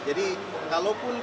jadi kalaupun kita